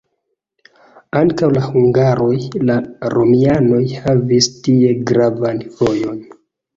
Antaŭ la hungaroj la romianoj havis tie gravan vojon.